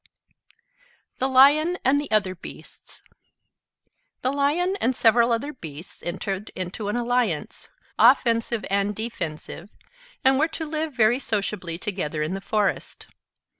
THE LION AND THE OTHER BEASTS The Lion and several other beasts entered into an alliance, offensive and defensive, and were to live very sociably together in the forest.